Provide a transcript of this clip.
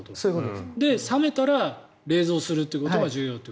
で、冷めたら冷蔵するということが重要と。